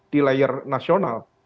di layar nasional